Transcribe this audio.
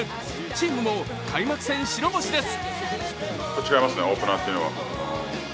チームも開幕戦白星です。